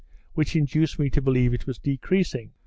which induced me to believe it was decreasing.